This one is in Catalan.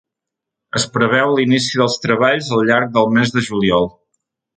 Es preveu l’inici dels treballs al llarg del mes de juliol.